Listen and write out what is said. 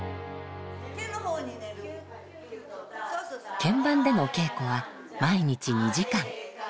見番での稽古は毎日２時間。